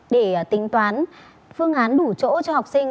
để tính toán phương án đủ chỗ cho học sinh